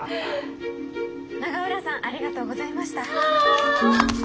「永浦さんありがとうございました」。